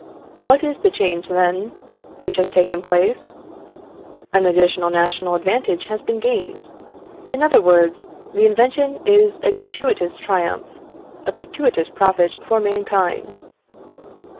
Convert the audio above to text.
What is the change, then, which has taken place? An additional national advantage has been gained; in other words, the invention is a gratuitous triumph a gratuitous profit for mankind.